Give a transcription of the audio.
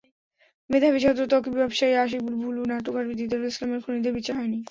মেধাবী ছাত্র ত্বকী, ব্যবসায়ী আশিক, ভুলু, নাট্যকার দিদারুল ইসলামের খুনিদের বিচার হয়নি।